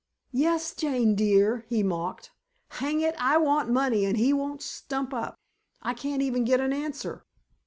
"Yes, Jane dear," he mocked. "Hang it, I want money, and he won't stump up. I can't even get an answer."